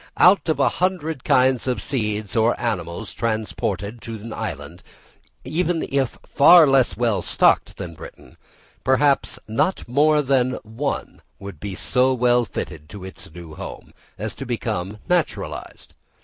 Out of a hundred kinds of seeds or animals transported to an island, even if far less well stocked than Britain, perhaps not more than one would be so well fitted to its new home, as to become naturalised.